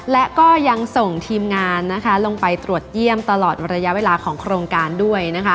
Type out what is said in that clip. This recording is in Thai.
และก็ยังส่งทีมงานลงไปตรวจเยี่ยมตลอดระยะเวลาของโครงการด้วยนะคะ